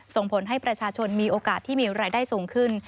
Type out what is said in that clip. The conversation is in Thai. ส่งผลให้ประชาชนมีโอกาสที่มีรายได้สูงขึ้น